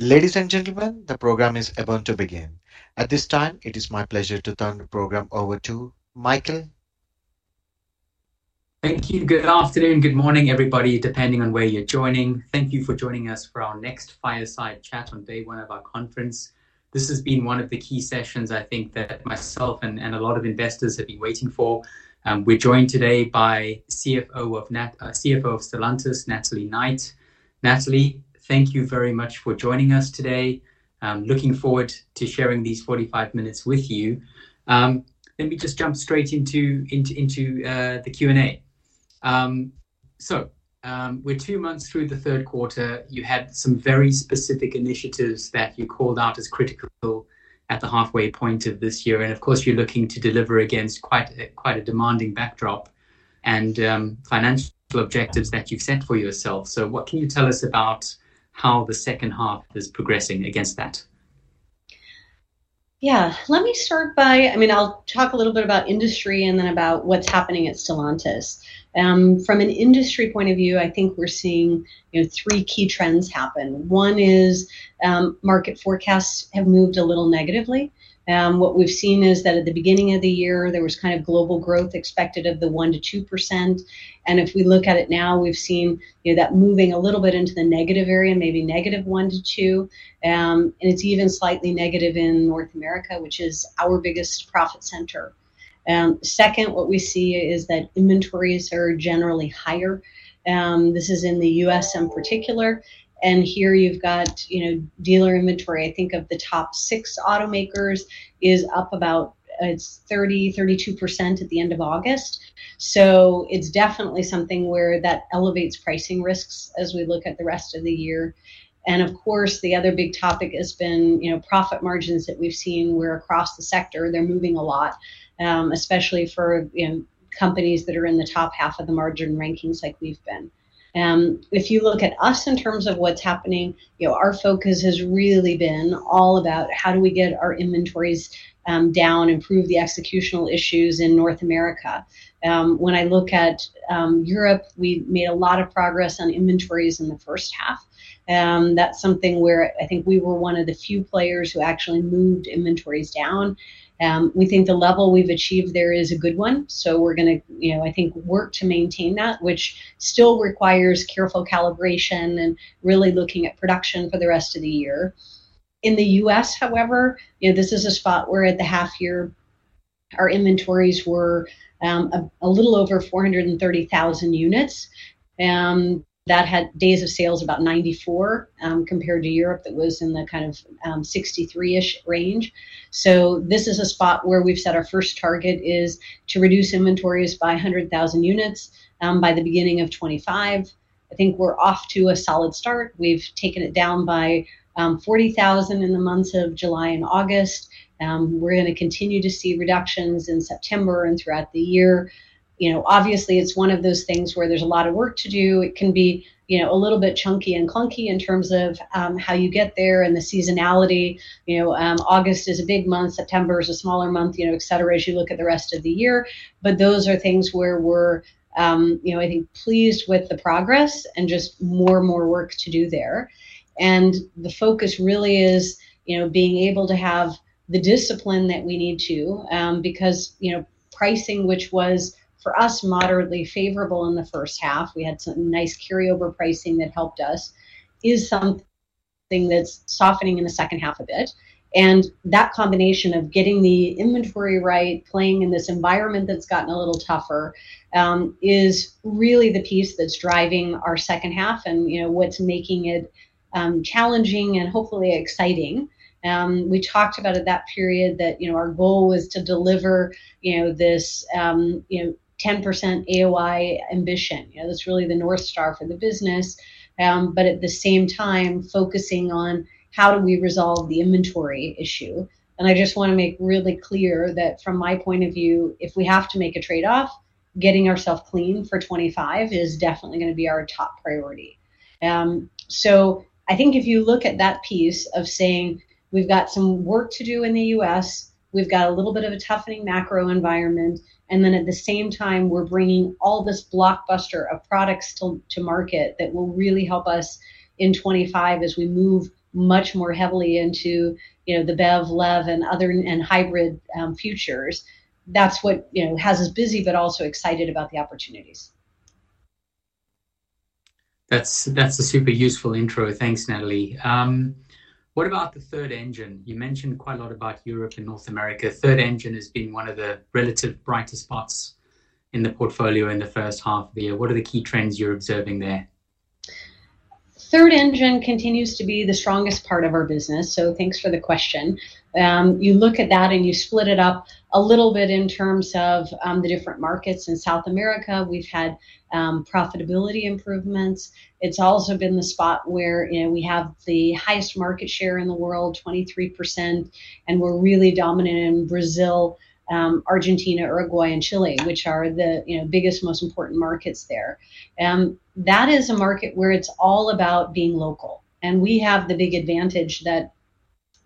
Ladies and gentlemen, the program is about to begin. At this time, it is my pleasure to turn the program over to Michael. Thank you. Good afternoon, good morning, everybody, depending on where you're joining. Thank you for joining us for our next Fireside Chat on day one of our conference. This has been one of the key sessions I think that myself and a lot of investors have been waiting for. We're joined today by CFO of Stellantis, Natalie Knight. Natalie, thank you very much for joining us today. Looking forward to sharing these 45 minutes with you. Let me just jump straight into the Q&A. So, we're two months through the third quarter. You had some very specific initiatives that you called out as critical at the halfway point of this year, and of course, you're looking to deliver against quite a demanding backdrop and financial objectives that you've set for yourself. So what can you tell us about how the second half is progressing against that? Yeah, let me start by... I mean, I'll talk a little bit about industry and then about what's happening at Stellantis. From an industry point of view, I think we're seeing, you know, three key trends happen. One is, market forecasts have moved a little negatively. What we've seen is that at the beginning of the year, there was kind of global growth expected of 1%-2%, and if we look at it now, we've seen, you know, that moving a little bit into the negative area, maybe -1% to -2%, and it's even slightly negative in North America, which is our biggest profit center. Second, what we see is that inventories are generally higher. This is in the U.S. in particular, and here you've got, you know, dealer inventory. I think of the top six automakers, it is up about 32% at the end of August. So it is definitely something where that elevates pricing risks as we look at the rest of the year. Of course, the other big topic has been, you know, profit margins that we've seen, where across the sector, they are moving a lot, especially for, you know, companies that are in the top half of the margin rankings like we've been. If you look at us in terms of what is happening, you know, our focus has really been all about how do we get our inventories down, improve the executional issues in North America? When I look at Europe, we made a lot of progress on inventories in the first half. That's something where I think we were one of the few players who actually moved inventories down. We think the level we've achieved there is a good one, so we're gonna, you know, I think, work to maintain that, which still requires careful calibration and really looking at production for the rest of the year. In the U.S., however, you know, this is a spot where at the half year, our inventories were a little over four hundred and thirty thousand units, that had days of sales about ninety-four, compared to Europe, that was in the kind of sixty-three-ish range. This is a spot where we've said our first target is to reduce inventories by 100,000 units by the beginning of 2025. I think we're off to a solid start. We've taken it down by 40,000 in the months of July and August. We're gonna continue to see reductions in September and throughout the year. You know, obviously, it's one of those things where there's a lot of work to do. It can be, you know, a little bit chunky and clunky in terms of how you get there and the seasonality. You know, August is a big month, September is a smaller month, you know, et cetera, as you look at the rest of the year. But those are things where we're, you know, I think, pleased with the progress and just more and more work to do there. And the focus really is, you know, being able to have the discipline that we need to, because, you know, pricing, which was for us, moderately favorable in the first half, we had some nice carryover pricing that helped us, is something that's softening in the second half a bit. And that combination of getting the inventory right, playing in this environment that's gotten a little tougher, is really the piece that's driving our second half and, you know, what's making it, challenging and hopefully exciting. We talked about at that period that, you know, our goal was to deliver, you know, this, you know, 10% AOI ambition. You know, that's really the North Star for the business. But at the same time focusing on how do we resolve the inventory issue. I just want to make really clear that from my point of view, if we have to make a trade-off, getting ourself clean for 2025 is definitely gonna be our top priority. So I think if you look at that piece of saying, we've got some work to do in the U.S., we've got a little bit of a toughening macro environment, and then at the same time, we're bringing all this blockbuster of products to market that will really help us in 2025 as we move much more heavily into, you know, the BEV, LEV, and other... and hybrid futures, that's what, you know, has us busy but also excited about the opportunities. That's, that's a super useful intro. Thanks, Natalie. What about the Third Engine? You mentioned quite a lot about Europe and North America. Third Engine has been one of the relative brightest spots in the portfolio in the first half of the year. What are the key trends you're observing there? Third Engine continues to be the strongest part of our business, so thanks for the question. You look at that and you split it up a little bit in terms of the different markets. In South America, we've had profitability improvements. It's also been the spot where, you know, we have the highest market share in the world, 23%, and we're really dominant in Brazil, Argentina, Uruguay, and Chile, which are the, you know, biggest, most important markets there. That is a market where it's all about being local, and we have the big advantage that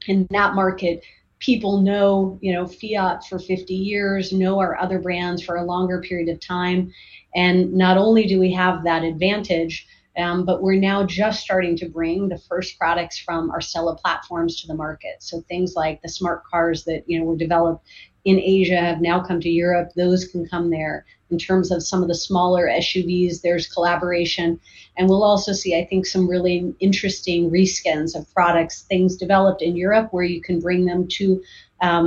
in that market, people know, you know, Fiat for 50 years, know our other brands for a longer period of time. And not only do we have that advantage, but we're now just starting to bring the first products from our STLA platforms to the market. So things like the smart cars that, you know, were developed in Asia have now come to Europe. Those can come there. In terms of some of the smaller SUVs, there's collaboration, and we'll also see, I think, some really interesting reskins of products, things developed in Europe, where you can bring them to,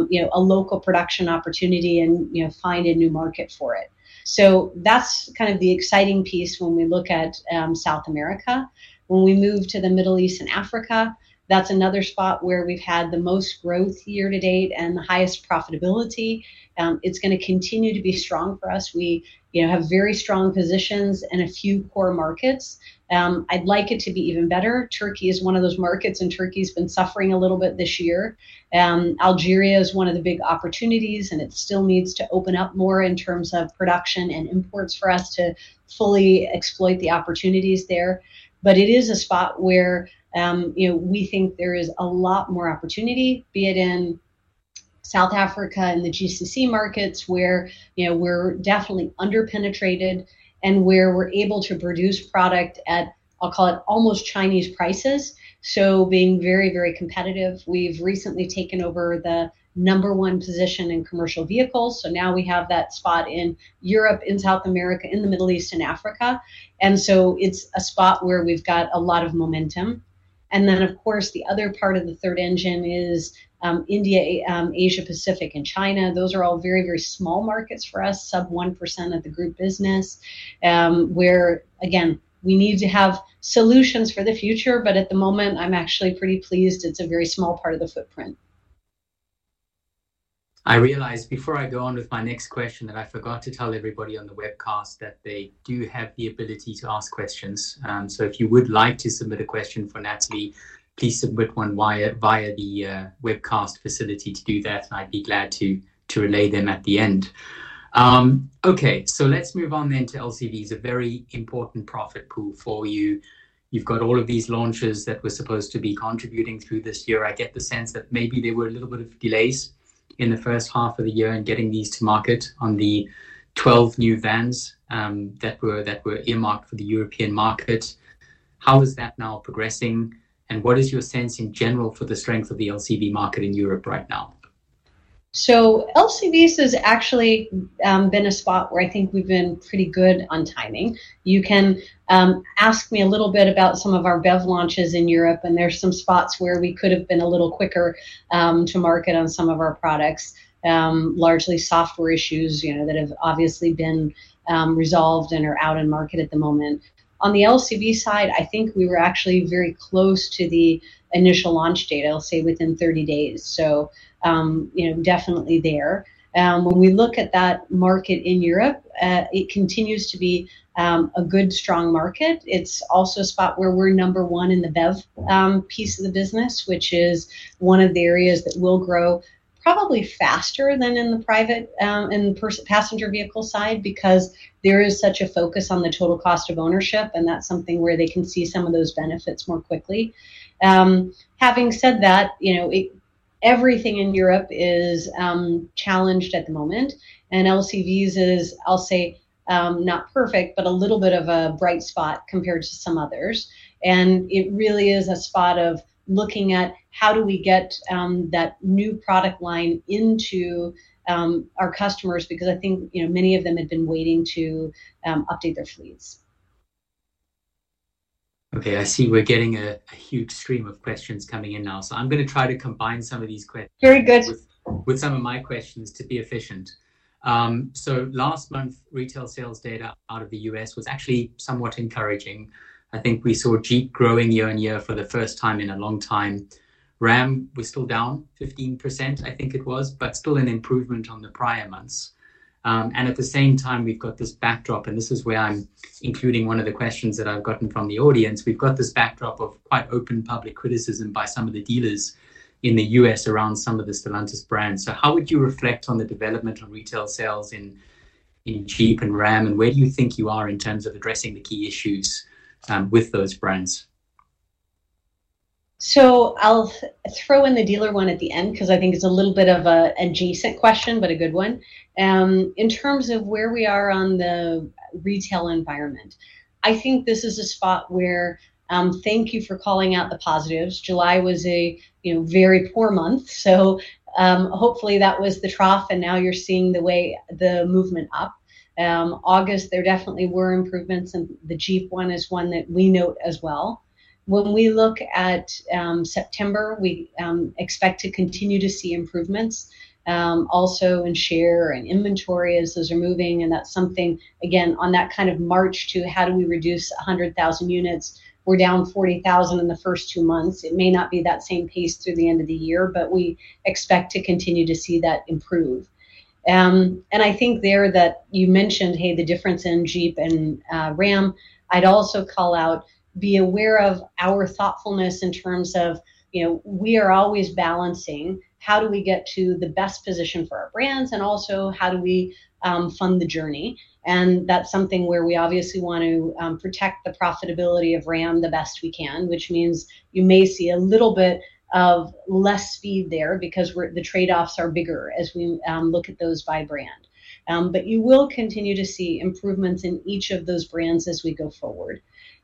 you know, a local production opportunity and, you know, find a new market for it. So that's kind of the exciting piece when we look at South America. When we move to the Middle East and Africa, that's another spot where we've had the most growth year to date and the highest profitability. It's gonna continue to be strong for us. We, you know, have very strong positions in a few core markets. I'd like it to be even better. Turkey is one of those markets, and Turkey's been suffering a little bit this year. Algeria is one of the big opportunities, and it still needs to open up more in terms of production and imports for us to fully exploit the opportunities there. But it is a spot where, you know, we think there is a lot more opportunity, be it in South Africa, in the GCC markets, where, you know, we're definitely under-penetrated and where we're able to produce product at, I'll call it, almost Chinese prices, so being very, very competitive. We've recently taken over the number one position in commercial vehicles, so now we have that spot in Europe, in South America, in the Middle East, and Africa. And so it's a spot where we've got a lot of momentum. And then, of course, the other part of the Third Engine is India, Asia Pacific and China. Those are all very, very small markets for us, sub 1% of the group business. Where, again, we need to have solutions for the future, but at the moment I'm actually pretty pleased. It's a very small part of the footprint. I realize before I go on with my next question, that I forgot to tell everybody on the webcast that they do have the ability to ask questions. So if you would like to submit a question for Natalie, please submit one via the webcast facility to do that, and I'd be glad to relay them at the end. Okay, so let's move on then to LCVs, a very important profit pool for you. You've got all of these launches that were supposed to be contributing through this year. I get the sense that maybe there were a little bit of delays in the first half of the year in getting these to market on the 12 new vans, that were earmarked for the European market. How is that now progressing, and what is your sense in general for the strength of the LCV market in Europe right now? LCVs has actually been a spot where I think we've been pretty good on timing. You can ask me a little bit about some of our BEV launches in Europe, and there are some spots where we could have been a little quicker to market on some of our products. Largely software issues, you know, that have obviously been resolved and are out in market at the moment. On the LCV side, I think we were actually very close to the initial launch date. I'll say within 30 days. You know, definitely there. When we look at that market in Europe, it continues to be a good, strong market. It's also a spot where we're number one in the BEV piece of the business, which is one of the areas that will grow probably faster than in the private and passenger vehicle side because there is such a focus on the total cost of ownership, and that's something where they can see some of those benefits more quickly. Having said that, you know, everything in Europe is challenged at the moment, and LCVs is, I'll say, not perfect, but a little bit of a bright spot compared to some others. It really is a spot of looking at how do we get that new product line into our customers, because I think, you know, many of them have been waiting to update their fleets. Okay, I see we're getting a huge stream of questions coming in now, so I'm gonna try to combine some of these questions- Very good... with some of my questions to be efficient. So last month, retail sales data out of the U.S. was actually somewhat encouraging. I think we saw Jeep growing year on year for the first time in a long time. Ram was still down 15%, I think it was, but still an improvement on the prior months. And at the same time, we've got this backdrop, and this is where I'm including one of the questions that I've gotten from the audience. We've got this backdrop of quite open public criticism by some of the dealers in the U.S. around some of the Stellantis brands. So how would you reflect on the development of retail sales in Jeep and Ram, and where do you think you are in terms of addressing the key issues with those brands? I'll throw in the dealer one at the end because I think it's a little bit of an adjacent question, but a good one. In terms of where we are on the retail environment, I think this is a spot where thank you for calling out the positives. July was, you know, a very poor month, so hopefully, that was the trough, and now you're seeing the way the movement up. August, there definitely were improvements, and the Jeep one is one that we note as well. When we look at September, we expect to continue to see improvements, also in share and inventory as those are moving, and that's something, again, on that kind of march to how do we reduce 100,000 units? We're down 40,000 in the first two months. It may not be that same pace through the end of the year, but we expect to continue to see that improve. And I think there that you mentioned, hey, the difference in Jeep and, Ram. I'd also call out, be aware of our thoughtfulness in terms of, you know, we are always balancing how do we get to the best position for our brands and also how do we, fund the journey? And that's something where we obviously want to, protect the profitability of Ram the best we can, which means you may see a little bit of less speed there because the trade-offs are bigger as we, look at those by brand. But you will continue to see improvements in each of those brands as we go forward.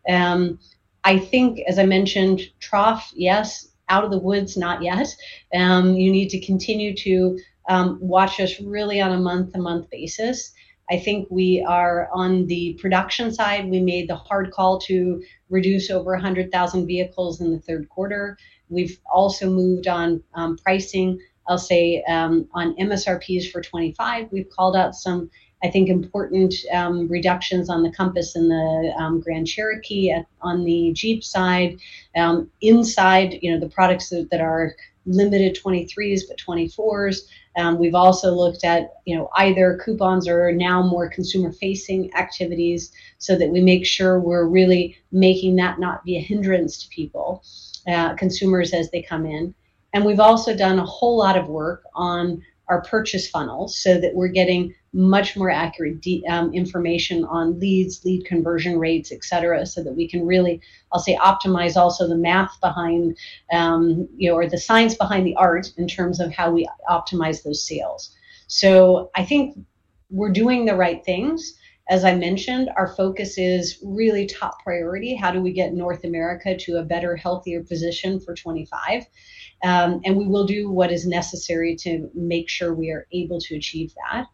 I think, as I mentioned, tough, yes, out of the woods, not yet. You need to continue to watch us really on a month-to-month basis. I think we are on the production side, we made the hard call to reduce over 100,000 vehicles in the third quarter. We've also moved on pricing. I'll say on MSRPs for 2025, we've called out some, I think, important reductions on the Compass and the Grand Cherokee on the Jeep side. Inside, you know, the products that, that are limited 2023s but 2024s. We've also looked at, you know, either coupons or now more consumer-facing activities so that we make sure we're really making that not be a hindrance to people, consumers, as they come in. We've also done a whole lot of work on our purchase funnels so that we're getting much more accurate information on leads, lead conversion rates, et cetera, so that we can really, I'll say, optimize also the math behind, you know, or the science behind the art in terms of how we optimize those sales. I think we're doing the right things. As I mentioned, our focus is really top priority. How do we get North America to a better, healthier position for 2025? We will do what is necessary to make sure we are able to achieve that.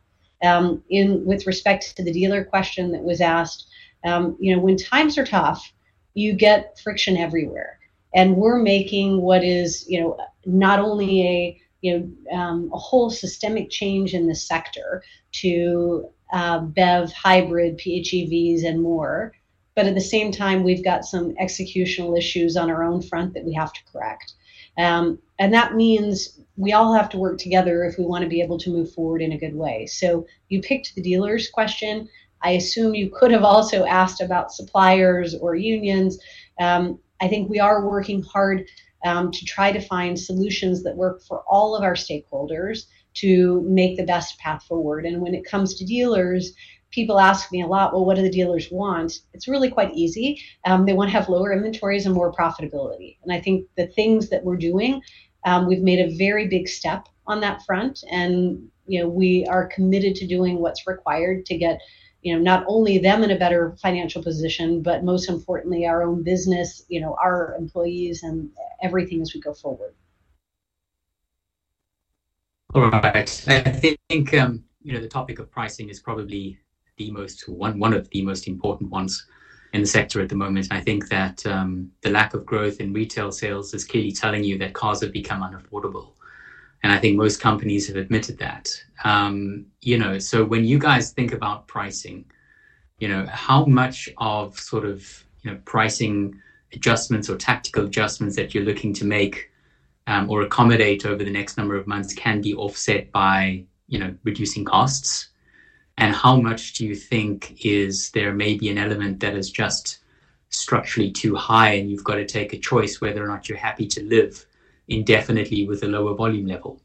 In with respect to the dealer question that was asked, you know, when times are tough, you get friction everywhere, and we're making what is, you know, not only a, you know, a whole systemic change in the sector to BEV, hybrid, PHEVs, and more, but at the same time, we've got some executional issues on our own front that we have to correct. And that means we all have to work together if we wanna be able to move forward in a good way. So you picked the dealers question. I assume you could have also asked about suppliers or unions. I think we are working hard to try to find solutions that work for all of our stakeholders to make the best path forward. When it comes to dealers, people ask me a lot, "Well, what do the dealers want?" It's really quite easy. They wanna have lower inventories and more profitability. I think the things that we're doing, we've made a very big step on that front, and, you know, we are committed to doing what's required to get, you know, not only them in a better financial position, but most importantly, our own business, you know, our employees and everything as we go forward. All right. I think, you know, the topic of pricing is probably one of the most important ones in the sector at the moment. I think that the lack of growth in retail sales is clearly telling you that cars have become unaffordable, and I think most companies have admitted that. You know, so when you guys think about pricing, you know, how much of sort of, you know, pricing adjustments or tactical adjustments that you're looking to make or accommodate over the next number of months can be offset by, you know, reducing costs? And how much do you think is there may be an element that is just structurally too high, and you've got to take a choice whether or not you're happy to live indefinitely with a lower volume level?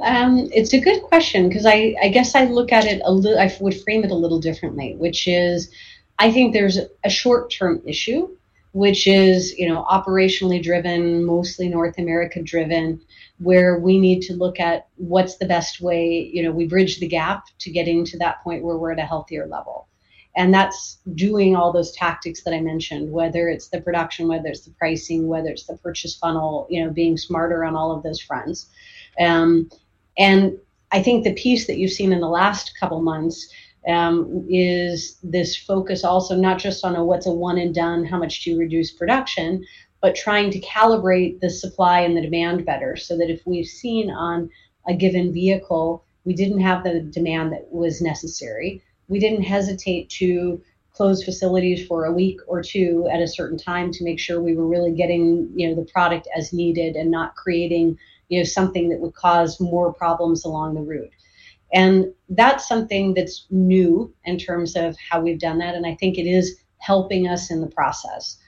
It's a good question 'cause I would frame it a little differently, which is, I think there's a short-term issue, which is, you know, operationally driven, mostly North America driven, where we need to look at what's the best way, you know, we bridge the gap to getting to that point where we're at a healthier level. And that's doing all those tactics that I mentioned, whether it's the production, whether it's the pricing, whether it's the purchase funnel, you know, being smarter on all of those fronts. And I think the piece that you've seen in the last couple of months is this focus also not just on what's a one and done, how much do you reduce production, but trying to calibrate the supply and the demand better so that if we've seen on a given vehicle, we didn't have the demand that was necessary. We didn't hesitate to close facilities for a week or two at a certain time to make sure we were really getting, you know, the product as needed and not creating, you know, something that would cause more problems along the route. And that's something that's new in terms of how we've done that, and I think it is helping us in the process.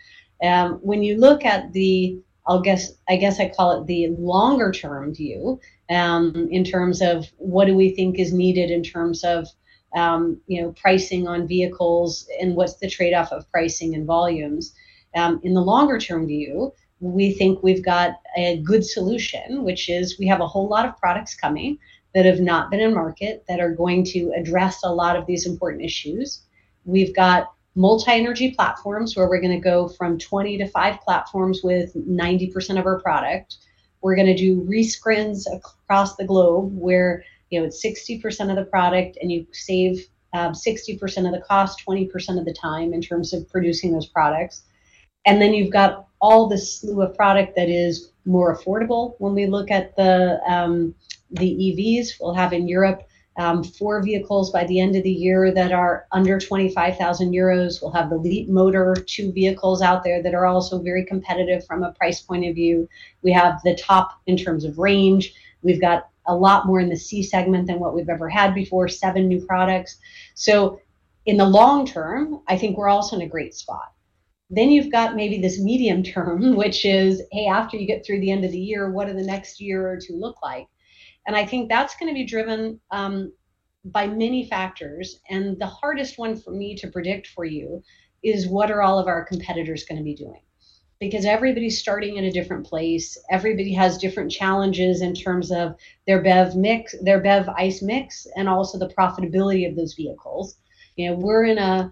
When you look at the, I guess I call it the longer-term view, in terms of what do we think is needed in terms of, you know, pricing on vehicles and what's the trade-off of pricing and volumes, in the longer-term view, we think we've got a good solution, which is we have a whole lot of products coming that have not been in market that are going to address a lot of these important issues. We've got multi-energy platforms where we're gonna go from 20 to 5 platforms with 90% of our product. We're gonna do reskins across the globe where, you know, it's 60% of the product, and you save, 60% of the cost, 20% of the time in terms of producing those products, and then you've got all the slew of product that is more affordable. When we look at the EVs, we'll have in Europe four vehicles by the end of the year that are under 25,000 euros. We'll have the Leapmotor, two vehicles out there that are also very competitive from a price point of view. We have the top in terms of range. We've got a lot more in the C-segment than what we've ever had before, seven new products. So in the long term, I think we're also in a great spot. Then you've got maybe this medium term, which is, hey, after you get through the end of the year, what are the next year or two look like? And I think that's gonna be driven by many factors. And the hardest one for me to predict for you is what are all of our competitors gonna be doing? Because everybody's starting in a different place. Everybody has different challenges in terms of their BEV mix, their BEV ICE mix, and also the profitability of those vehicles. You know, we're in a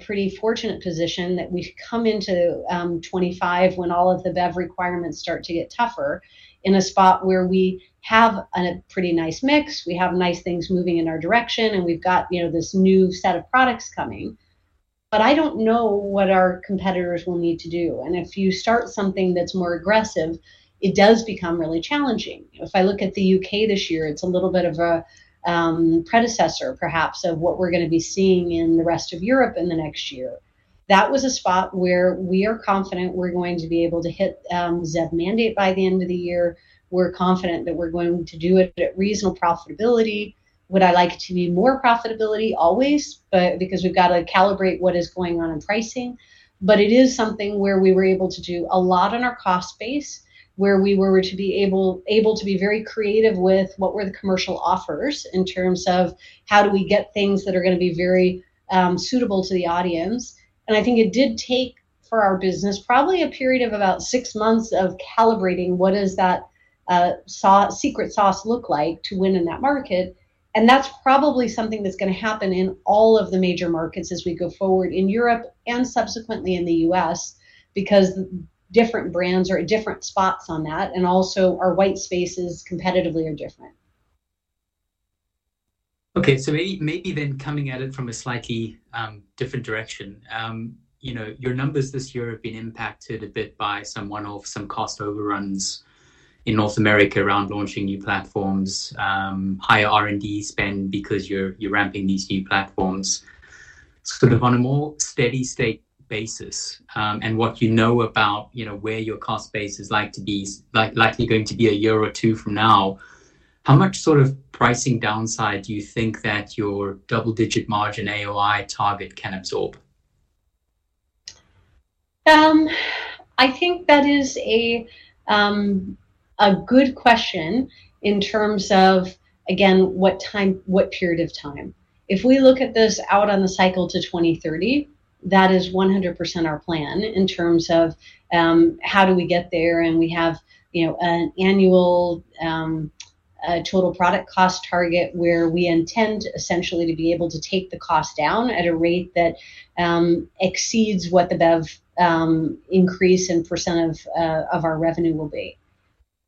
pretty fortunate position that we've come into 2025, when all of the BEV requirements start to get tougher, in a spot where we have a pretty nice mix, we have nice things moving in our direction, and we've got, you know, this new set of products coming. But I don't know what our competitors will need to do. And if you start something that's more aggressive, it does become really challenging. If I look at the U.K. this year, it's a little bit of a predecessor, perhaps, of what we're gonna be seeing in the rest of Europe in the next year. That was a spot where we are confident we're going to be able to hit ZEV mandate by the end of the year. We're confident that we're going to do it at reasonable profitability. Would I like it to be more profitability? Always, but because we've got to calibrate what is going on in pricing. But it is something where we were able to do a lot in our cost base, where we were able to be very creative with what were the commercial offers in terms of how do we get things that are gonna be very suitable to the audience. And I think it did take, for our business, probably a period of about six months of calibrating what does that secret sauce look like to win in that market? That's probably something that's gonna happen in all of the major markets as we go forward in Europe, and subsequently in the U.S., because different brands are at different spots on that, and also our white spaces competitively are different. Okay, so maybe then coming at it from a slightly different direction. You know, your numbers this year have been impacted a bit by some one-off, some cost overruns in North America around launching new platforms, higher R&D spend, because you're ramping these new platforms. Sort of on a more steady state basis, and what you know about, you know, where your cost base is likely to be a year or two from now, how much sort of pricing downside do you think that your double-digit margin AOI target can absorb? I think that is a good question in terms of, again, what time, what period of time? If we look at this out on the cycle to 2030, that is 100% our plan in terms of how do we get there, and we have, you know, an annual total product cost target where we intend essentially to be able to take the cost down at a rate that exceeds what the BEV increase in % of our revenue will be.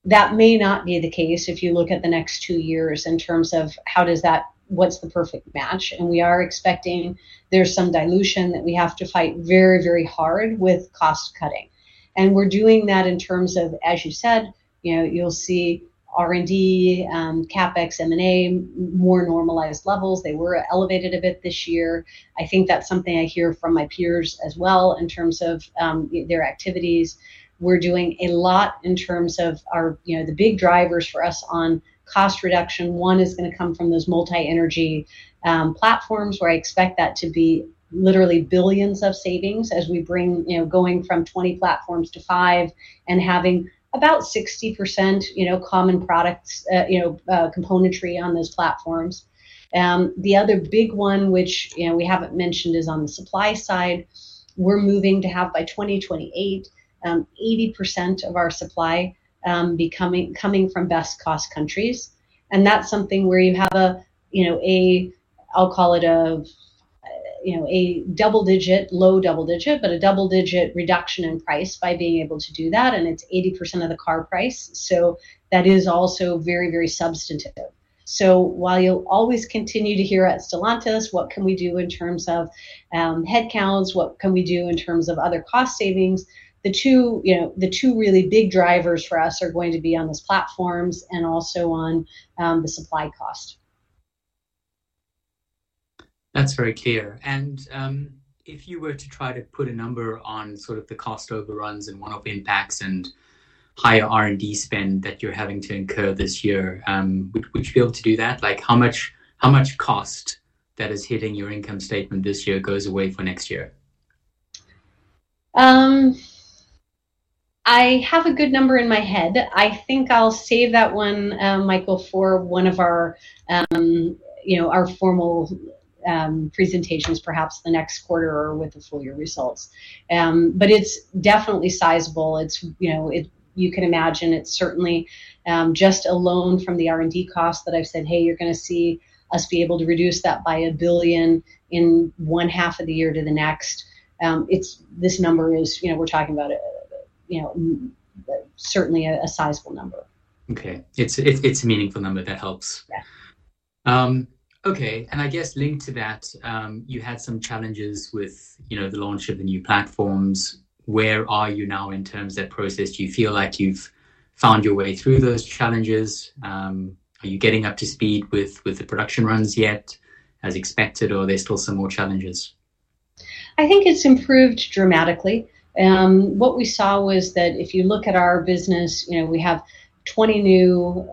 That may not be the case if you look at the next two years in terms of how does that... what's the perfect match, and we are expecting there's some dilution that we have to fight very, very hard with cost cutting. And we're doing that in terms of, as you said, you know, you'll see R&D, CapEx, M&A, more normalized levels. They were elevated a bit this year. I think that's something I hear from my peers as well, in terms of their activities. We're doing a lot in terms of our. You know, the big drivers for us on cost reduction, one, is gonna come from those multi-energy platforms, where I expect that to be literally billions of savings as we bring, you know, going from 20 platforms to 5 and having about 60%, you know, common products, componentry on those platforms. The other big one, which, you know, we haven't mentioned, is on the supply side. We're moving to have, by 2028, 80% of our supply becoming from best cost countries. And that's something where you have, you know, I'll call it a, you know, a double digit, low double digit, but a double digit reduction in price by being able to do that, and it's 80% of the car price, so that is also very, very substantive. So while you'll always continue to hear at Stellantis, what can we do in terms of headcounts? What can we do in terms of other cost savings? The two, you know, the two really big drivers for us are going to be on those platforms and also on the supply cost. That's very clear. And, if you were to try to put a number on sort of the cost overruns and one-off impacts and higher R&D spend that you're having to incur this year, would you be able to do that? Like, how much cost that is hitting your income statement this year goes away for next year? I have a good number in my head. I think I'll save that one, Michael, for one of our, you know, our formal presentations, perhaps the next quarter or with the full year results. But it's definitely sizable. It's, you know, You can imagine it's certainly just alone from the R&D costs that I've said, "Hey, you're gonna see us be able to reduce that by a billion in one half of the year to the next." It's, this number is, you know, we're talking about a, you know, certainly a sizable number. Okay. It's a meaningful number. That helps. Yeah. Okay, and I guess linked to that, you had some challenges with, you know, the launch of the new platforms. Where are you now in terms of that process? Do you feel like you've found your way through those challenges? Are you getting up to speed with the production runs yet as expected, or are there still some more challenges? I think it's improved dramatically. What we saw was that if you look at our business, you know, we have twenty new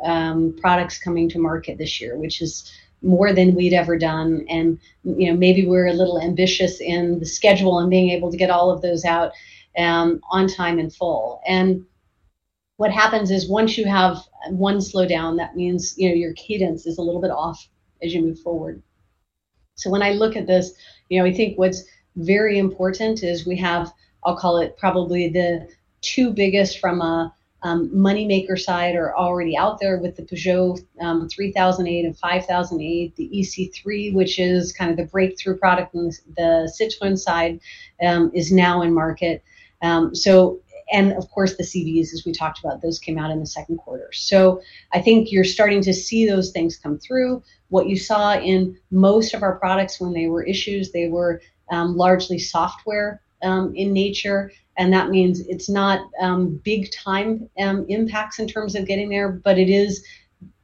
products coming to market this year, which is more than we'd ever done. And, you know, maybe we're a little ambitious in the schedule and being able to get all of those out on time in full. And what happens is, once you have one slowdown, that means, you know, your cadence is a little bit off as you move forward. So when I look at this, you know, I think what's very important is we have, I'll call it, probably the two biggest from a money-maker side, are already out there with the Peugeot 3008 and 5008. The e-C3, which is kind of the breakthrough product on the Citroën side, is now in market. So, and of course, the EVs, as we talked about, those came out in the second quarter. So I think you're starting to see those things come through. What you saw in most of our products when they were issues, they were largely software in nature, and that means it's not big time impacts in terms of getting there, but it is,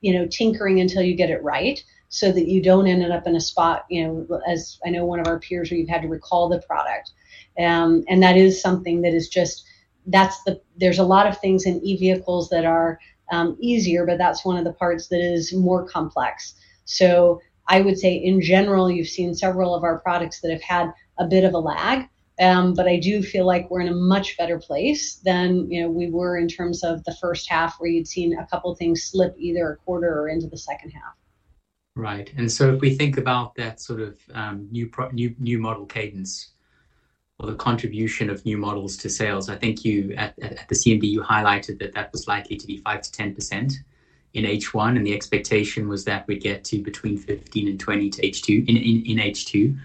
you know, tinkering until you get it right so that you don't end up in a spot, you know, as I know one of our peers, where you've had to recall the product. And that is something that's the; there's a lot of things in EVs that are easier, but that's one of the parts that is more complex. So I would say in general, you've seen several of our products that have had a bit of a lag. But I do feel like we're in a much better place than, you know, we were in terms of the first half, where you'd seen a couple things slip either a quarter or into the second half. Right. And so if we think about that sort of new model cadence or the contribution of new models to sales, I think you at the CMD highlighted that that was likely to be 5%-10% in H1, and the expectation was that we'd get to between 15% and 20% in H2.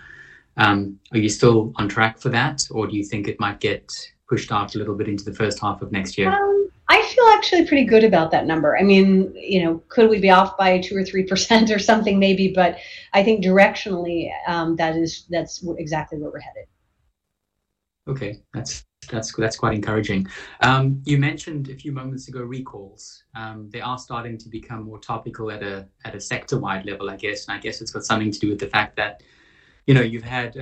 Are you still on track for that, or do you think it might get pushed out a little bit into the first half of next year? I feel actually pretty good about that number. I mean, you know, could we be off by 2% or 3% or something? Maybe, but I think directionally, that is... that's exactly where we're headed. Okay. That's quite encouraging. You mentioned a few moments ago, recalls. They are starting to become more topical at a sector-wide level, I guess. And I guess it's got something to do with the fact that, you know, you've had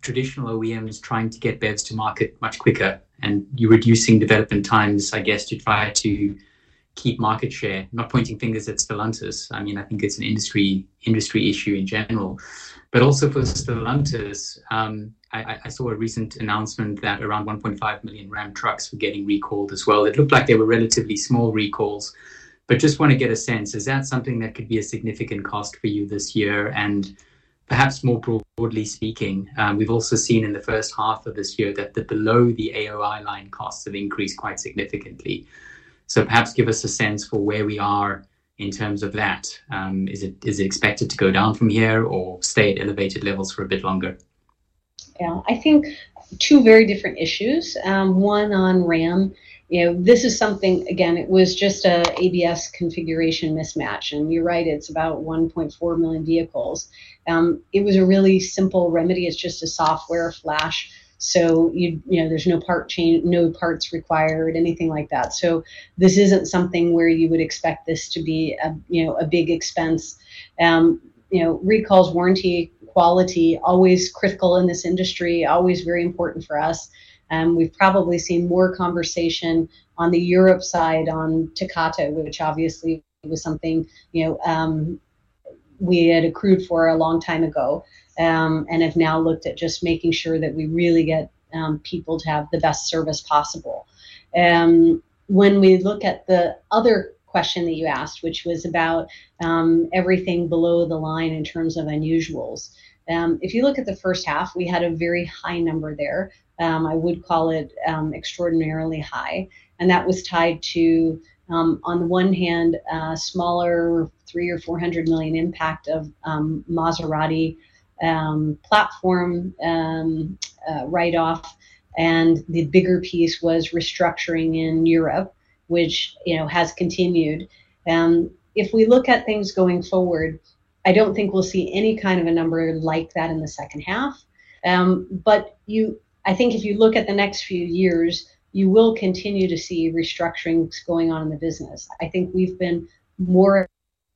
traditional OEMs trying to get BEVs to market much quicker, and you're reducing development times, I guess, to try to keep market share. Not pointing fingers at Stellantis. I mean, I think it's an industry issue in general. But also for Stellantis, I saw a recent announcement that around 1.5 million Ram trucks were getting recalled as well. It looked like they were relatively small recalls, but just want to get a sense, is that something that could be a significant cost for you this year? And perhaps more broadly speaking, we've also seen in the first half of this year that the below the AOI line costs have increased quite significantly. So perhaps give us a sense for where we are in terms of that. Is it expected to go down from here or stay at elevated levels for a bit longer? Yeah, I think two very different issues. One on Ram. You know, this is something. Again, it was just a ABS configuration mismatch, and you're right, it's about 1.4 million vehicles. It was a really simple remedy. It's just a software flash. So you know, there's no part change, no parts required, anything like that. So this isn't something where you would expect this to be a, you know, a big expense. You know, recalls, warranty, quality, always critical in this industry, always very important for us. We've probably seen more conversation on the Europe side on Takata, which obviously was something, you know, we had accrued for a long time ago, and have now looked at just making sure that we really get people to have the best service possible. When we look at the other question that you asked, which was about, everything below the line in terms of unusuals, if you look at the first half, we had a very high number there. I would call it, extraordinarily high, and that was tied to, on the one hand, a smaller €300-€400 million impact of, Maserati, platform, write-off, and the bigger piece was restructuring in Europe, which, you know, has continued. If we look at things going forward, I don't think we'll see any kind of a number like that in the second half. But you- I think if you look at the next few years, you will continue to see restructurings going on in the business. I think we've been more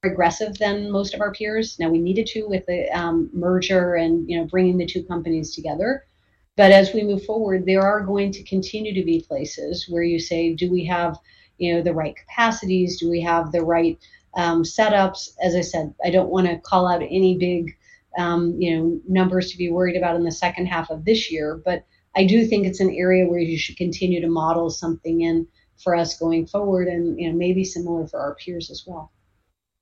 aggressive than most of our peers. Now, we needed to deal with the merger and, you know, bringing the two companies together. But as we move forward, there are going to continue to be places where you say, "Do we have, you know, the right capacities? Do we have the right setups?" As I said, I don't wanna call out any big, you know, numbers to be worried about in the second half of this year, but I do think it's an area where you should continue to model something in for us going forward and maybe similarly for our peers as well.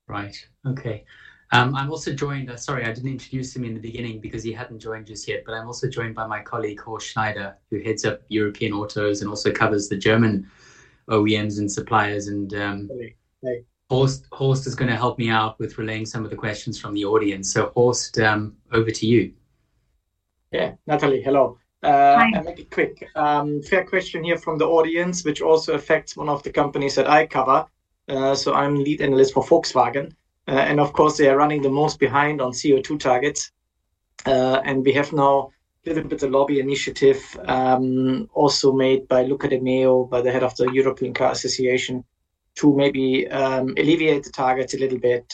Right. Okay. I'm also joined... Sorry, I didn't introduce him in the beginning because he hadn't joined us yet. But I'm also joined by my colleague, Horst Schneider, who heads up European autos and also covers the German OEMs and suppliers and, Hey. Horst, Horst is gonna help me out with relaying some of the questions from the audience. So, Horst, over to you. Yeah, Natalie, hello. Hi. I'll make it quick. Fair question here from the audience, which also affects one of the companies that I cover. So I'm lead analyst for Volkswagen, and of course, they are running the most behind on CO2 targets. And we have now a little bit of lobby initiative, also made by Luca de Meo, by the head of the European Car Association, to maybe alleviate the targets a little bit.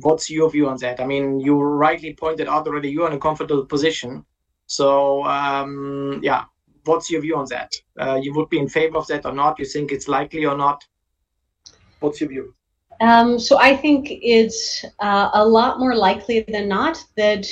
What's your view on that? I mean, you rightly pointed out already you are in a comfortable position, so, yeah, what's your view on that? You would be in favor of that or not? You think it's likely or not? What's your view? So I think it's a lot more likely than not that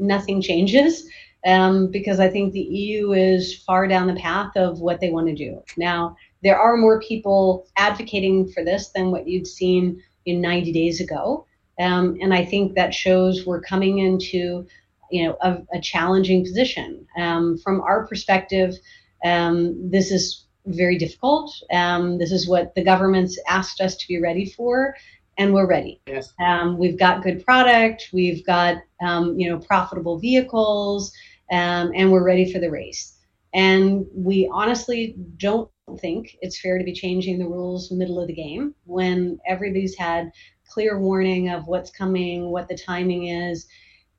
nothing changes, because I think the EU is far down the path of what they want to do. Now, there are more people advocating for this than what you'd seen in 90 days ago. I think that shows we're coming into, you know, a challenging position. From our perspective, this is very difficult. This is what the government's asked us to be ready for, and we're ready. Yes. We've got good product, we've got, you know, profitable vehicles, and we're ready for the race, and we honestly don't think it's fair to be changing the rules middle of the game when everybody's had clear warning of what's coming, what the timing is.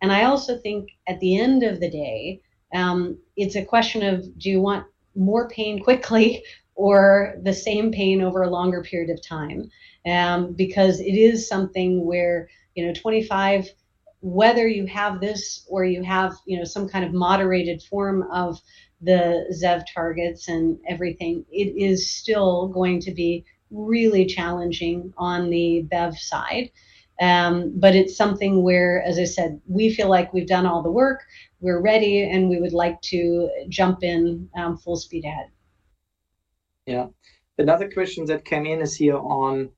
And I also think, at the end of the day, it's a question of, do you want more pain quickly or the same pain over a longer period of time? Because it is something where, you know, whether you have this or you have, you know, some kind of moderated form of the ZEV targets and everything, it is still going to be really challenging on the BEV side. But it's something where, as I said, we feel like we've done all the work, we're ready, and we would like to jump in, full speed ahead. Another question that came in is here on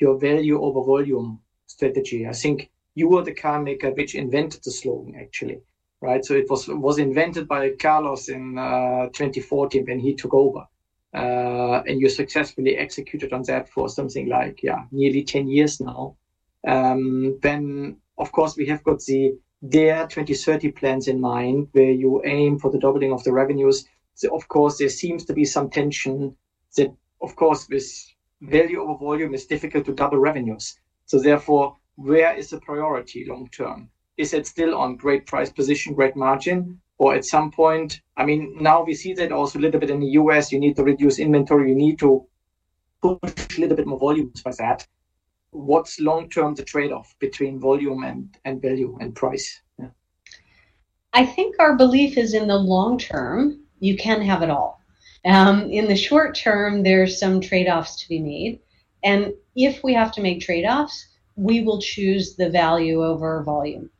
your value over volume strategy. I think you were the car maker which invented the slogan, actually, right? So it was invented by Carlos in twenty fourteen when he took over. And you successfully executed on that for something like nearly ten years now. Then, of course, we have got the Dare 2030 plans in mind, where you aim for the doubling of the revenues. So of course, there seems to be some tension that, of course, this value over volume is difficult to double revenues. So therefore, where is the priority long term? Is it still on great price position, great margin, or at some point... I mean, now we see that also a little bit in the U.S., you need to reduce inventory, you need to push a little bit more volumes by that. What's long term, the trade-off between volume and value and price? Yeah. I think our belief is in the long term, you can have it all. In the short term, there's some trade-offs to be made, and if we have to make trade-offs, we will choose the value over volume.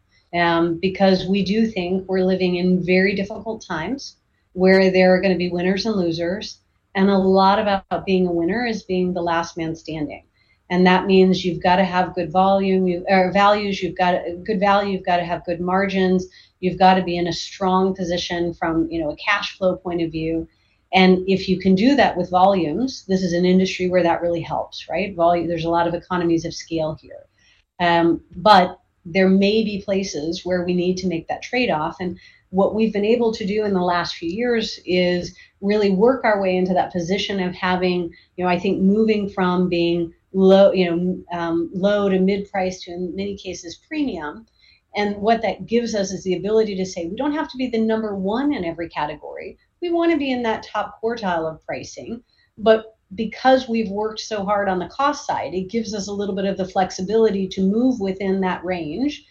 Because we do think we're living in very difficult times, where there are gonna be winners and losers, and a lot about being a winner is being the last man standing. And that means you've got to have good volume, or values, you've got good value, you've got to have good margins, you've got to be in a strong position from, you know, a cash flow point of view. And if you can do that with volumes, this is an industry where that really helps, right? Volume, there's a lot of economies of scale here. But there may be places where we need to make that trade-off, and what we've been able to do in the last few years is really work our way into that position of having, you know, I think moving from being low, you know, low to mid-price, to in many cases, premium. And what that gives us is the ability to say, we don't have to be the number one in every category. We want to be in that top quartile of pricing, but because we've worked so hard on the cost side, it gives us a little bit of the flexibility to move within that range,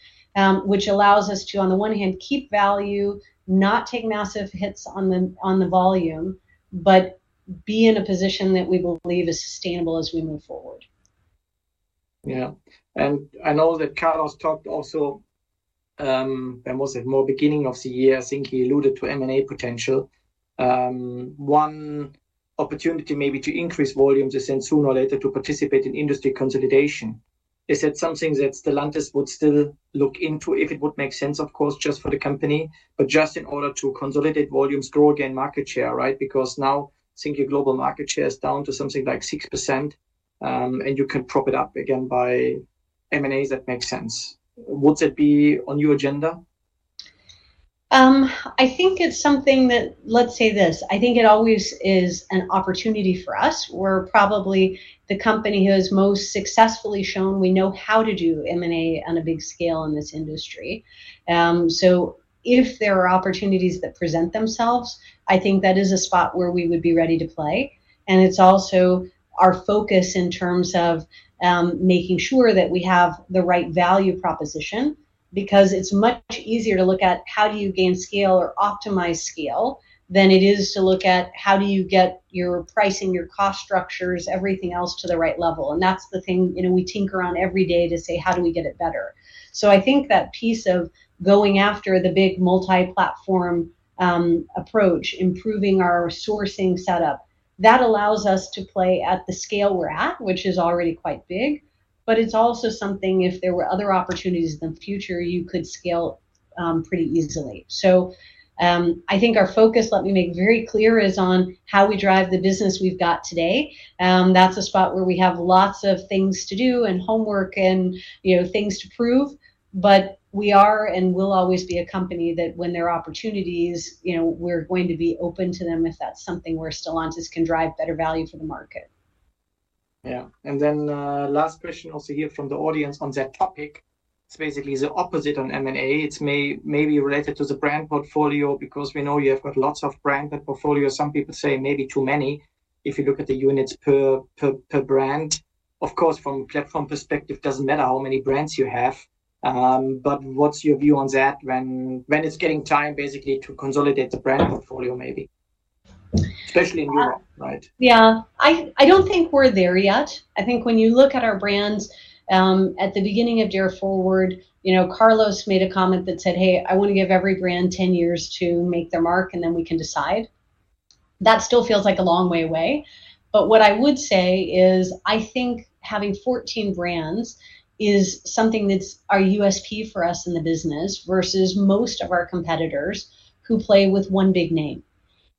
which allows us to, on the one hand, keep value, not take massive hits on the volume, but be in a position that we believe is sustainable as we move forward. Yeah, and I know that Carlos talked also, when was it? More beginning of the year, I think he alluded to M&A potential. One opportunity maybe to increase volumes is then sooner or later, to participate in industry consolidation. Is that something that Stellantis would still look into, if it would make sense, of course, just for the company, but just in order to consolidate volumes, grow again, market share, right? Because now, I think your global market share is down to something like 6%, and you can prop it up again by M&As that make sense. Would it be on your agenda? I think it's something that... Let's say this, I think it always is an opportunity for us. We're probably the company who has most successfully shown we know how to do M&A on a big scale in this industry. So if there are opportunities that present themselves, I think that is a spot where we would be ready to play, and it's also our focus in terms of making sure that we have the right value proposition, because it's much easier to look at how do you gain scale or optimize scale than it is to look at how do you get your pricing, your cost structures, everything else to the right level. And that's the thing, you know. We tinker on every day to say, "How do we get it better?" So I think that piece of going after the big multi-platform approach, improving our sourcing setup, that allows us to play at the scale we're at, which is already quite big. But it's also something if there were other opportunities in the future, you could scale pretty easily. So I think our focus, let me make very clear, is on how we drive the business we've got today. That's a spot where we have lots of things to do, and homework and, you know, things to prove. But we are and will always be a company that when there are opportunities, you know, we're going to be open to them if that's something where Stellantis can drive better value for the market. Yeah. And then, last question also here from the audience on that topic. It's basically the opposite on M&A. It's maybe related to the brand portfolio, because we know you have got lots of brand portfolio. Some people say maybe too many, if you look at the units per brand. Of course, from platform perspective, doesn't matter how many brands you have, but what's your view on that when it's getting time basically to consolidate the brand portfolio, maybe? Especially in Europe, right. Yeah. I don't think we're there yet. I think when you look at our brands, at the beginning of Dare Forward, you know, Carlos made a comment that said, "Hey, I want to give every brand ten years to make their mark, and then we can decide." That still feels like a long way away. But what I would say is, I think having fourteen brands is something that's our USP for us in the business, versus most of our competitors who play with one big name.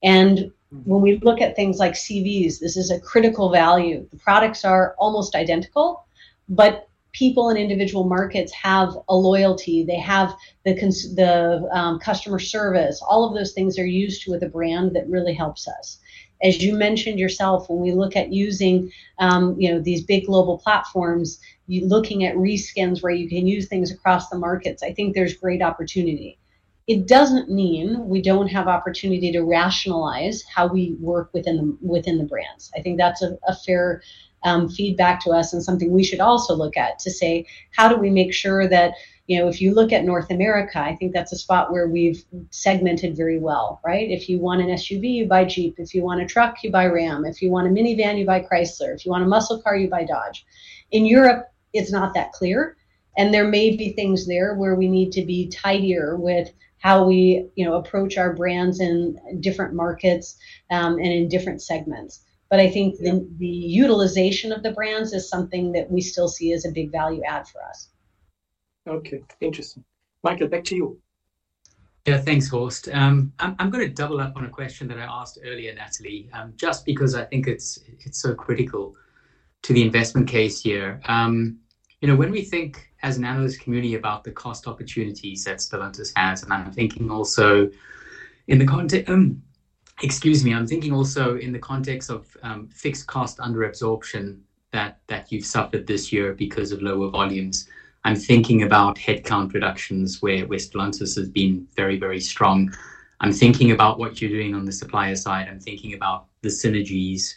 And when we look at things like CVs, this is a critical value. The products are almost identical, but people in individual markets have a loyalty. They have the customer service. All of those things they're used to with a brand that really helps us. As you mentioned yourself, when we look at using, you know, these big global platforms, you're looking at reskins where you can use things across the markets. I think there's great opportunity. It doesn't mean we don't have opportunity to rationalize how we work within the brands. I think that's a fair feedback to us and something we should also look at to say, how do we make sure that, you know, if you look at North America, I think that's a spot where we've segmented very well, right? If you want an SUV, you buy Jeep. If you want a truck, you buy Ram. If you want a minivan, you buy Chrysler. If you want a muscle car, you buy Dodge. In Europe, it's not that clear, and there may be things there where we need to be tidier with how we, you know, approach our brands in different markets, and in different segments. But I think the utilization of the brands is something that we still see as a big value add for us. Okay, interesting. Michael, back to you. Yeah, thanks, Horst. I'm gonna double up on a question that I asked earlier, Natalie, just because I think it's so critical to the investment case here. You know, when we think, as an analyst community, about the cost opportunities that Stellantis has, and I'm thinking also in the context of fixed cost under absorption that you've suffered this year because of lower volumes. I'm thinking about headcount reductions where Stellantis has been very, very strong. I'm thinking about what you're doing on the supplier side. I'm thinking about the synergies.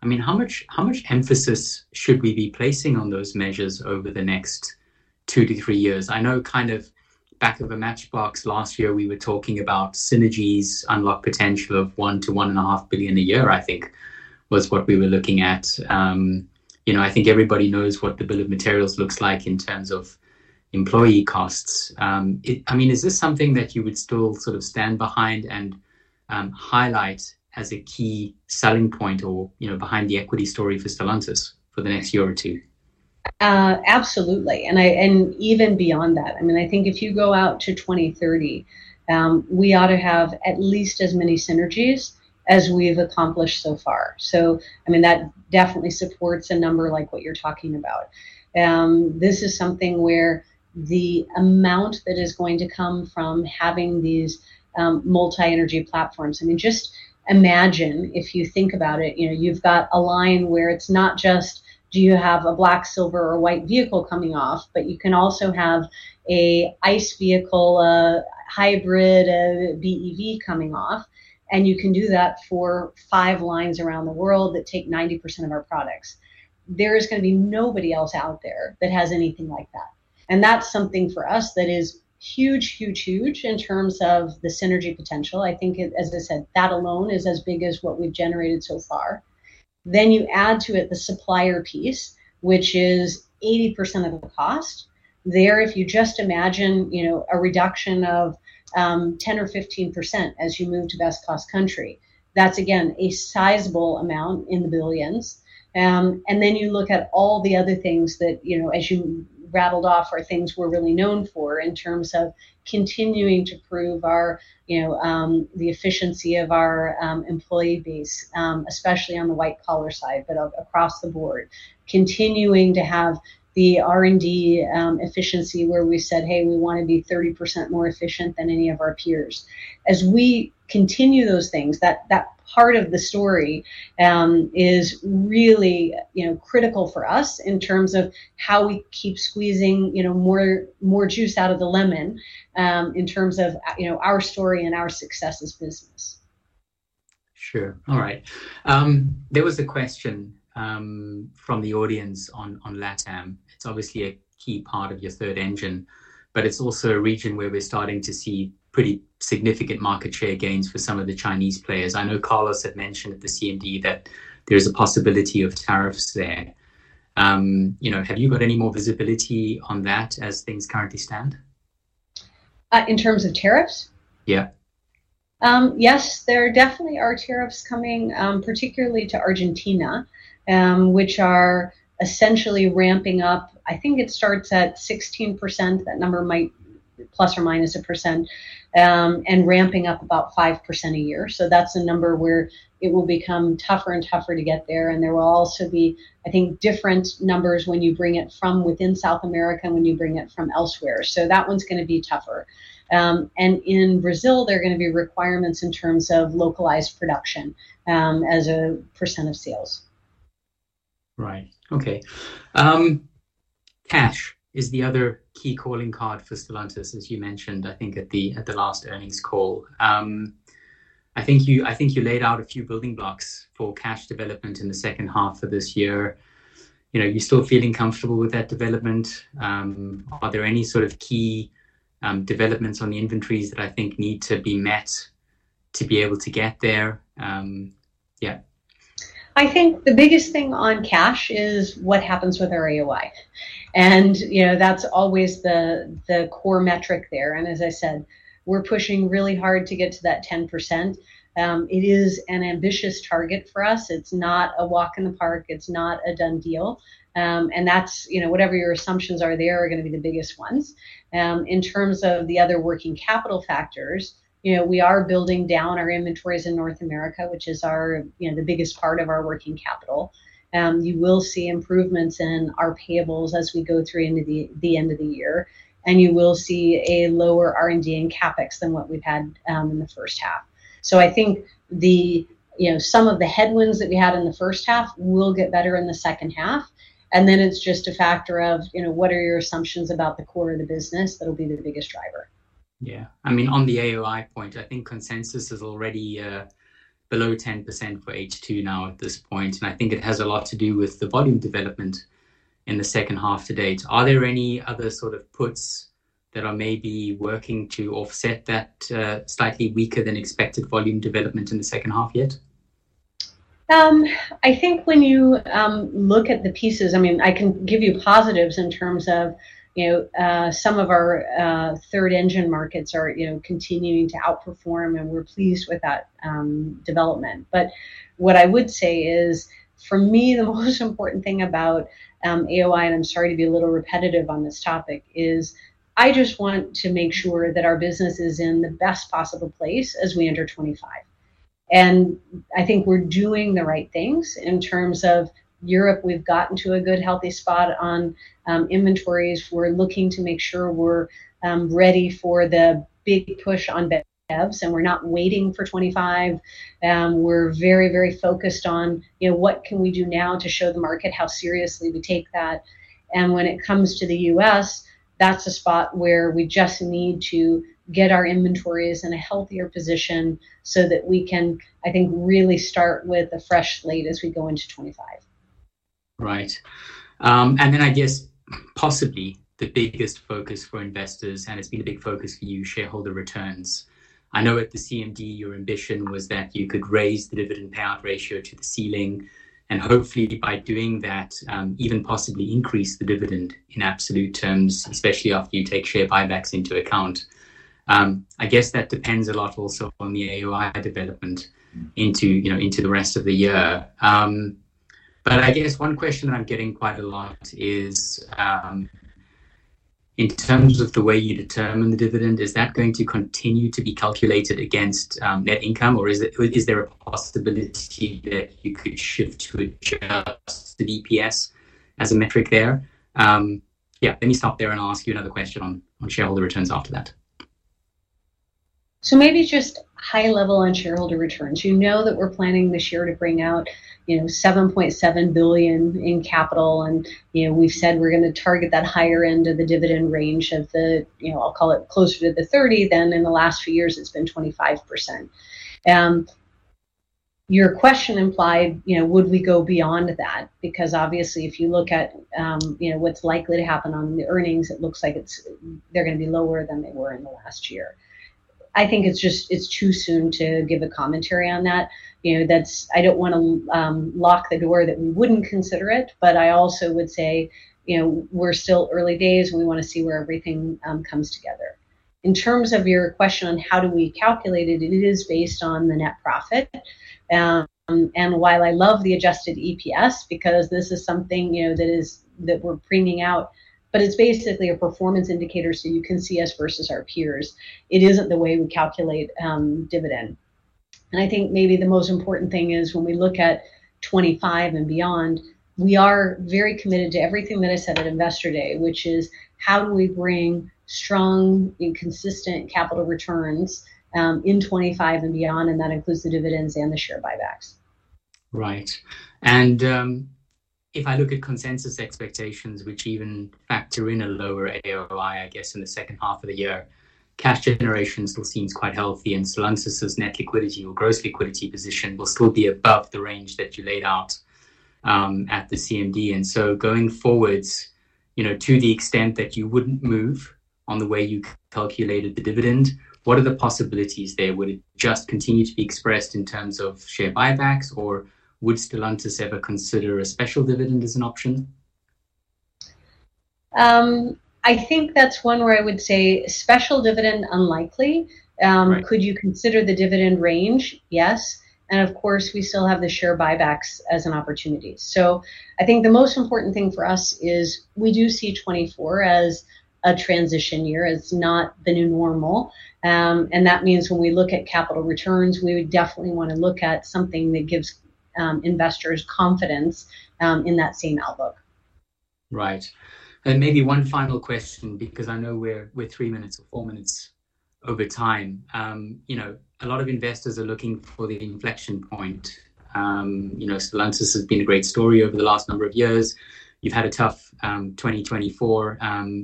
I mean, how much, how much emphasis should we be placing on those measures over the next two to three years? I know kind of back of a matchbox last year we were talking about synergies, unlock potential of one to one and a half billion a year, I think, was what we were looking at. You know, I think everybody knows what the bill of materials looks like in terms of employee costs. I mean, is this something that you would still sort of stand behind and highlight as a key selling point or, you know, behind the equity story for Stellantis for the next year or two? Absolutely, and even beyond that. I mean, I think if you go out to 2030, we ought to have at least as many synergies as we've accomplished so far. So, I mean, that definitely supports a number like what you're talking about. This is something where the amount that is going to come from having these multi-energy platforms. I mean, just imagine, if you think about it, you know, you've got a line where it's not just do you have a black, silver or white vehicle coming off, but you can also have a ICE vehicle, a hybrid, a BEV coming off, and you can do that for five lines around the world that take 90% of our products. There is gonna be nobody else out there that has anything like that, and that's something for us that is huge, huge, huge in terms of the synergy potential. I think, as I said, that alone is as big as what we've generated so far, then you add to it the supplier piece, which is 80% of the cost. There, if you just imagine, you know, a reduction of 10% or 15% as you move to best cost country, that's again a sizable amount in the billions, and then you look at all the other things that, you know, as you rattled off, are things we're really known for in terms of continuing to prove our, you know, the efficiency of our employee base, especially on the white collar side, but across the board. Continuing to have the R&D efficiency, where we said, "Hey, we want to be 30% more efficient than any of our peers." As we continue those things, that part of the story is really, you know, critical for us in terms of how we keep squeezing, you know, more juice out of the lemon, in terms of our story and our success as business. Sure. All right. There was a question from the audience on, on LATAM. It's obviously a key part of your third engine, but it's also a region where we're starting to see pretty significant market share gains for some of the Chinese players. I know Carlos had mentioned at the CMD that there is a possibility of tariffs there. You know, have you got any more visibility on that as things currently stand? In terms of tariffs? Yeah. Yes, there definitely are tariffs coming, particularly to Argentina, which are essentially ramping up. I think it starts at 16%. That number might plus or minus 1%, and ramping up about 5% a year. So that's a number where it will become tougher and tougher to get there, and there will also be, I think, different numbers when you bring it from within South America and when you bring it from elsewhere. So that one's gonna be tougher. And in Brazil, there are gonna be requirements in terms of localized production, as a percent of sales. Right. Okay. Cash is the other key calling card for Stellantis, as you mentioned, I think, at the last earnings call. I think you laid out a few building blocks for cash development in the second half of this year. You know, are you still feeling comfortable with that development? Are there any sort of key developments on the inventories that I think need to be met to be able to get there? Yeah. I think the biggest thing on cash is what happens with our AOI, and, you know, that's always the core metric there. And as I said, we're pushing really hard to get to that 10%. It is an ambitious target for us. It's not a walk in the park. It's not a done deal. And that's, you know, whatever your assumptions are, they are gonna be the biggest ones. In terms of the other working capital factors, you know, we are building down our inventories in North America, which is our, you know, the biggest part of our working capital. You will see improvements in our payables as we go through into the end of the year, and you will see a lower R&D and CapEx than what we've had in the first half. I think, you know, some of the headwinds that we had in the first half will get better in the second half, and then it's just a factor of, you know, what are your assumptions about the core of the business that'll be the biggest driver?... Yeah, I mean, on the AOI point, I think consensus is already below 10% for H2 now at this point, and I think it has a lot to do with the volume development in the second half to date. Are there any other sort of puts that are maybe working to offset that slightly weaker than expected volume development in the second half yet? I think when you look at the pieces, I mean, I can give you positives in terms of, you know, some of our Third Engine markets are, you know, continuing to outperform, and we're pleased with that development. But what I would say is, for me, the most important thing about AOI, and I'm sorry to be a little repetitive on this topic, is I just want to make sure that our business is in the best possible place as we enter 2025. And I think we're doing the right things. In terms of Europe, we've gotten to a good, healthy spot on inventories. We're looking to make sure we're ready for the big push on BEVs, and we're not waiting for 2025. We're very, very focused on, you know, what can we do now to show the market how seriously we take that? And when it comes to the U.S., that's a spot where we just need to get our inventories in a healthier position so that we can, I think, really start with a fresh slate as we go into 2025. Right. And then I guess possibly the biggest focus for investors, and it's been a big focus for you, shareholder returns. I know at the CMD, your ambition was that you could raise the dividend payout ratio to the ceiling, and hopefully by doing that, even possibly increase the dividend in absolute terms, especially after you take share buybacks into account. I guess that depends a lot also on the AOI development into, you know, into the rest of the year. But I guess one question that I'm getting quite a lot is, in terms of the way you determine the dividend, is that going to continue to be calculated against, net income, or is it - is there a possibility that you could shift to adjusted EPS as a metric there? Yeah, let me stop there and I'll ask you another question on shareholder returns after that. Maybe just high level on shareholder returns. You know that we're planning this year to bring out, you know, 7.7 billion in capital, and, you know, we've said we're gonna target that higher end of the dividend range of the, you know, I'll call it closer to the 30%, than in the last few years it's been 25%. Your question implied, you know, would we go beyond that? Because obviously, if you look at, you know, what's likely to happen on the earnings, it looks like it's... they're gonna be lower than they were in the last year. I think it's just, it's too soon to give a commentary on that. You know, that's. I don't wanna lock the door that we wouldn't consider it, but I also would say, you know, we're still early days, and we wanna see where everything comes together. In terms of your question on how do we calculate it, it is based on the net profit. And while I love the adjusted EPS, because this is something, you know, that is that we're bringing out, but it's basically a performance indicator, so you can see us versus our peers. It isn't the way we calculate dividend. And I think maybe the most important thing is when we look at 'twenty-five and beyond, we are very committed to everything that I said at Investor Day, which is: How do we bring strong and consistent capital returns in 'twenty-five and beyond? And that includes the dividends and the share buybacks. Right. And, if I look at consensus expectations, which even factor in a lower AOI, I guess, in the second half of the year, cash generation still seems quite healthy, and Stellantis' net liquidity or gross liquidity position will still be above the range that you laid out, at the CMD. And so going forwards, you know, to the extent that you wouldn't move on the way you calculated the dividend, what are the possibilities there? Would it just continue to be expressed in terms of share buybacks, or would Stellantis ever consider a special dividend as an option? I think that's one where I would say special dividend, unlikely. Right. Could you consider the dividend range? Yes, and of course, we still have the share buybacks as an opportunity, so I think the most important thing for us is we do see 2024 as a transition year. It's not the new normal, and that means when we look at capital returns, we would definitely want to look at something that gives investors confidence in that same outlook. Right. And maybe one final question, because I know we're three minutes or four minutes over time. You know, a lot of investors are looking for the inflection point. You know, Stellantis has been a great story over the last number of years. You've had a tough 2024.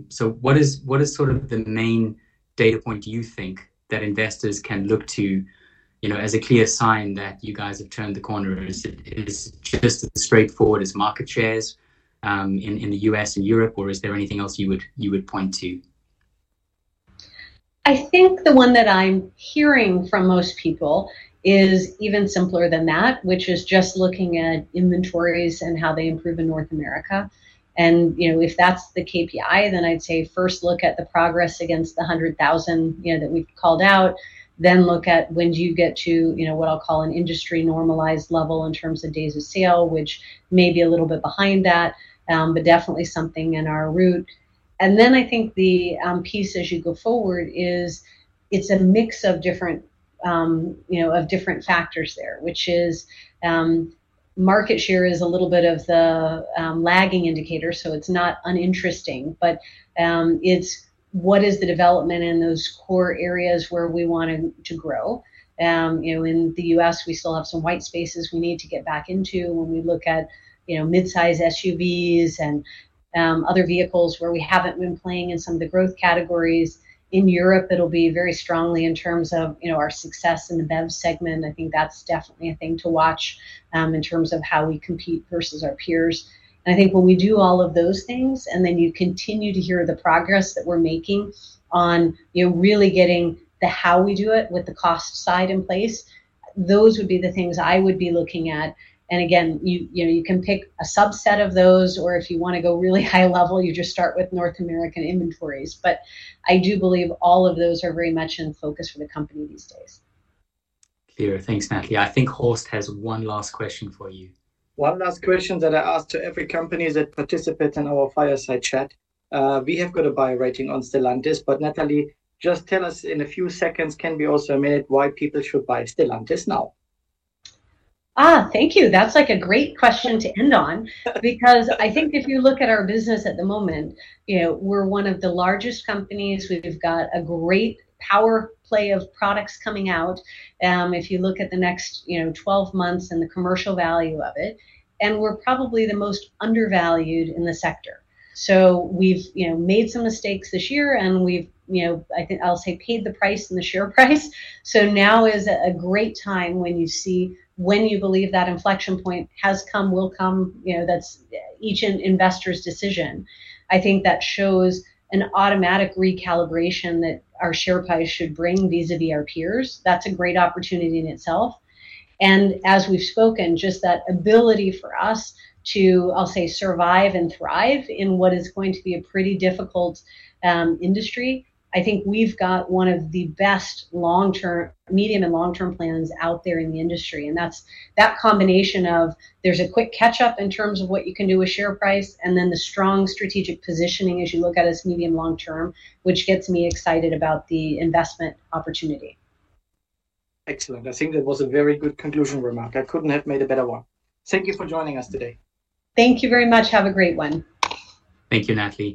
So what is sort of the main data point you think that investors can look to, you know, as a clear sign that you guys have turned the corner? Is it just as straightforward as market shares in the U.S. and Europe, or is there anything else you would point to? I think the one that I'm hearing from most people is even simpler than that, which is just looking at inventories and how they improve in North America. And, you know, if that's the KPI, then I'd say first look at the progress against the hundred thousand, you know, that we've called out. Then look at when do you get to, you know, what I'll call an industry normalized level in terms of days supply, which may be a little bit behind that, but definitely something in our roadmap. And then I think the piece as you go forward is it's a mix of different, you know, of different factors there, which is Market share is a little bit of the lagging indicator, so it's not uninteresting, but it's what is the development in those core areas where we want to grow? You know, in the U.S., we still have some white spaces we need to get back into when we look at, you know, mid-size SUVs and other vehicles where we haven't been playing in some of the growth categories. In Europe, it'll be very strongly in terms of, you know, our success in the BEV segment. I think that's definitely a thing to watch in terms of how we compete versus our peers. And I think when we do all of those things, and then you continue to hear the progress that we're making on, you know, really getting the how we do it with the cost side in place, those would be the things I would be looking at. And again, you, you know, you can pick a subset of those, or if you wanna go really high level, you just start with North American inventories. But I do believe all of those are very much in focus for the company these days. Clear. Thanks, Natalie. I think Horst has one last question for you. One last question that I ask to every company that participates in our fireside chat. We have got a buy rating on Stellantis, but Natalie, just tell us in a few seconds, can be also a minute, why people should buy Stellantis now? Ah, thank you. That's, like, a great question to end on, because I think if you look at our business at the moment, you know, we're one of the largest companies. We've got a great power play of products coming out, if you look at the next, you know, 12 months and the commercial value of it, and we're probably the most undervalued in the sector. So we've, you know, made some mistakes this year, and we've, you know, I think I'll say paid the price in the share price. So now is a great time when you see when you believe that inflection point has come, will come, you know, that's each investor's decision. I think that shows an automatic recalibration that our share price should bring vis-a-vis our peers. That's a great opportunity in itself, and as we've spoken, just that ability for us to, I'll say, survive and thrive in what is going to be a pretty difficult industry. I think we've got one of the best long-term... medium and long-term plans out there in the industry, and that's that combination of there's a quick catch-up in terms of what you can do with share price, and then the strong strategic positioning as you look at us medium long-term, which gets me excited about the investment opportunity. Excellent. I think that was a very good conclusion remark. I couldn't have made a better one. Thank you for joining us today. Thank you very much. Have a great one. Thank you, Natalie.